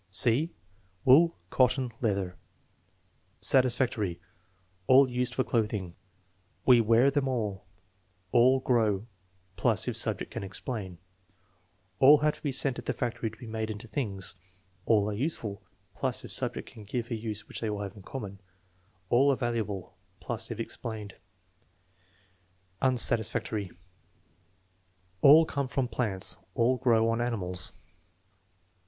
(c) Wool, cotton, leather Satisfactory. "All used for clothing." "We wear them all." "All grow" (plus if subject can explain). "All have to be sent to the factory to be made into things." "All are useful" (plus if 308 THE MEAStJREMENT OF INTELLIGENCE subject can give a use which all have in common). "All are valu able" (plus if explained). Unsatisfactory. "All come from plants." "All grow on animals."